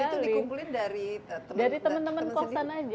dan itu dikumpulin dari teman teman kosan aja